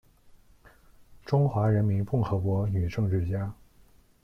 中华人民共和国女政治家。